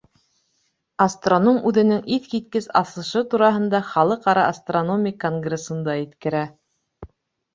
Астроном үҙенең иҫ киткес асышы тураһында Халыҡ ара астрономик конгрессында еткерә.